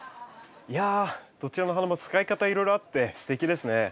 いやどちらの花も使い方いろいろあってすてきですね。